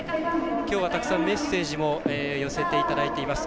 きょうは、たくさんメッセージも寄せていただいています。